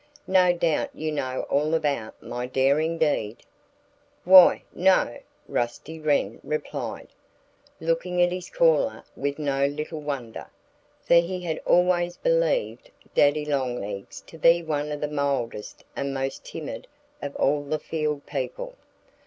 "No doubt you know all about my daring deed?" "Why, no!" Rusty Wren replied, looking at his caller with no little wonder for he had always believed Daddy Longlegs to be one of the mildest and most timid of all the field people.